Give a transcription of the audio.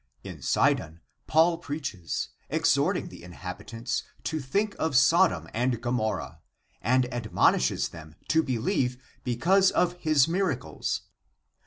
... In Sidon Paul preaches, exhorting the inhabitants to think of Sodom and Gomorrha, and admonishes them to believe because of his miracles.